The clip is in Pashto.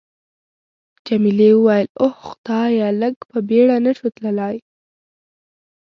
جميلې وويل:: اوه خدایه، لږ په بېړه نه شو تللای؟